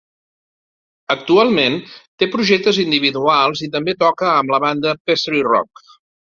Actualment, té projectes individuals i també toca amb la banda Pasarea Rock.